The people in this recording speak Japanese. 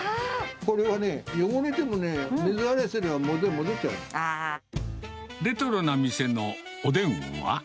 これはね、汚れてもね、レトロな店のおでんは。